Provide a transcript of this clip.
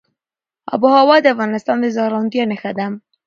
آب وهوا د افغانستان د زرغونتیا نښه ده.